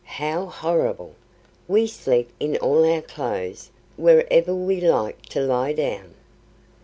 "How horrible! We sleep in all our clothes wherever we like to lie down.